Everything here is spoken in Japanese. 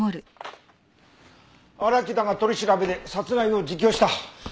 荒木田が取り調べで殺害を自供した。